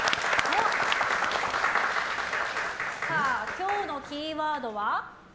今日のキーワードは「＃